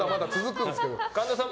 神田さん